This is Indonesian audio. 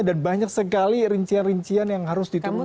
dan banyak sekali rincian rincian yang harus diturunkan